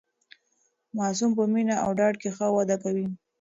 ماسوم په مینه او ډاډ کې ښه وده کوي.